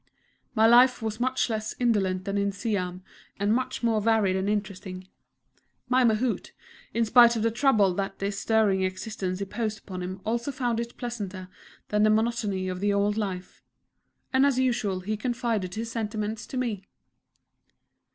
My life was much less indolent than in Siam, and much more varied and interesting. My Mahout, in spite of the trouble that this stirring existence imposed upon him also found it pleasanter than the monotony of the old life and as usual he confided his sentiments to me!